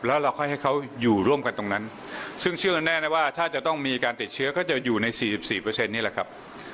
แล้วเราค่อยให้เขาอยู่ร่วมกันตรงนั้นซึ่งเชื่อแน่นะว่าถ้าจะต้องมีการติดเชื้อก็จะอยู่ใน๔๔นี่แหละครับ